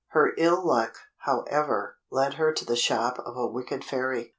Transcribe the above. Her ill luck, however, led her to the shop of a wicked fairy.